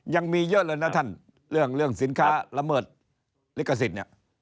ยังมีเยอะเลยนะท่านเรื่องสินค้าระเมิดลิขสิทธิ์